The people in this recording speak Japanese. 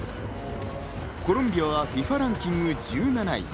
コロンビアはＦＩＦＡランキング１７位。